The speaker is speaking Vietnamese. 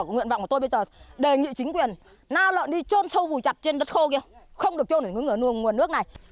nguyện vọng của tôi bây giờ đề nghị chính quyền na lợn đi trôn sâu vùi chặt trên đất khô kia không được trôn để nuôi nương nguồn nước này